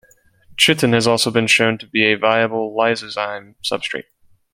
Chitin has also been shown to be a viable lysozyme substrate.